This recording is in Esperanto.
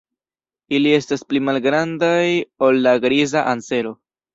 Ili estas pli malgrandaj ol la Griza ansero.